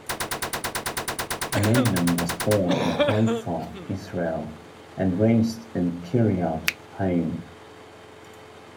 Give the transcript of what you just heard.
Maimon was born in Haifa, Israel, and raised in Kiryat Haim.